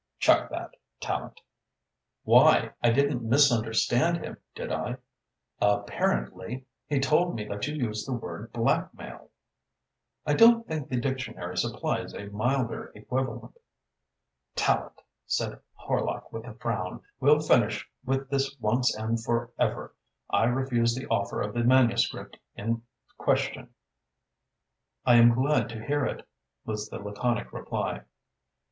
"Chuck that, Tallente." "Why? I didn't misunderstand him, did I?" "Apparently. He told me that you used the word 'blackmail.'" "I don't think the dictionary supplies a milder equivalent." "Tallente," said Horlock with a frown, "we'll finish with this once and for ever. I refused the offer of the manuscript in question." "I am glad to hear it," was the laconic reply.